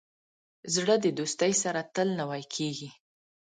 زړه د دوستۍ سره تل نوی کېږي.